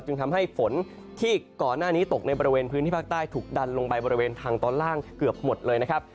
จึงทำให้ฝนที่ก่อนหน้านี้ตกในบริเวณพื้นที่ภาคใต้ถูกดันลงไปบริเวณทางตอนล่างเกือบหมดเลยนะครับ